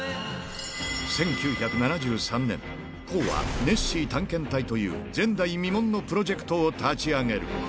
１９７３年、康はネッシー探検隊という前代未聞のプロジェクトを立ち上げる。